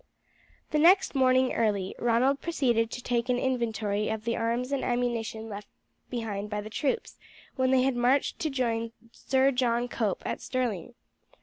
The next morning early Ronald proceeded to take an inventory of the arms and ammunition left behind by the troops when they had marched to join Sir John Cope at Stirling.